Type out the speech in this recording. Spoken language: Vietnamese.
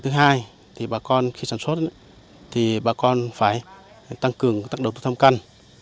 thứ hai bà con khi sản xuất thì bà con phải tăng cường tăng độ thông căn